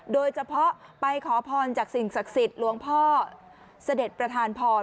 โดยเฉพาะไปขอพรจากสิ่งศักดิ์สิทธิ์หลวงพ่อเสด็จประธานพร